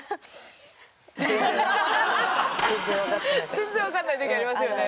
全然わかんない時ありますよね。